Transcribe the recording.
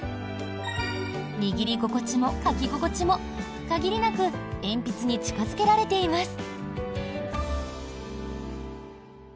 握り心地も書き心地も限りなく鉛筆に近付けられています。